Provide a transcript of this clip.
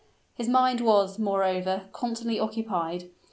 His mind was, moreover, constantly occupied.